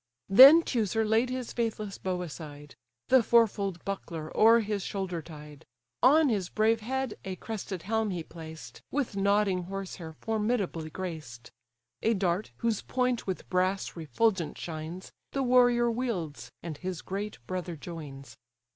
Then Teucer laid his faithless bow aside; The fourfold buckler o'er his shoulder tied; On his brave head a crested helm he placed, With nodding horse hair formidably graced; A dart, whose point with brass refulgent shines, The warrior wields; and his great brother joins.